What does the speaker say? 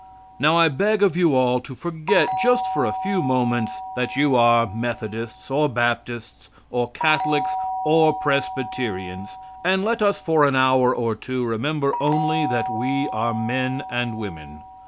Now, I beg of you all to forget just for a few moments that you are Methodists, or Baptists, or Catholics, or Presbyterians, and let us for an hour or two remember only that we are men and women.